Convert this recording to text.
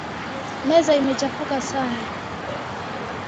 Meza imechafuka sana.